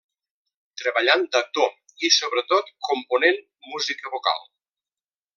Treballant d'actor, i sobretot, component música vocal.